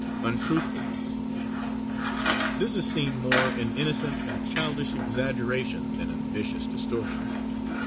Untruthfulness. This is seen more in innocent and childish exaggeration than in vicious distortion.